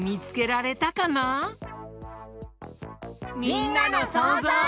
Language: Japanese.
みんなのそうぞう。